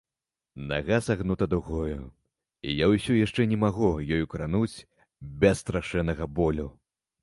Нага сагнута дугою, і я ўсё яшчэ не магу ёю крануць без страшэннага болю.